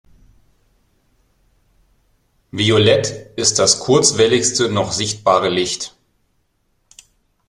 Violett ist das kurzwelligste noch sichtbare Licht.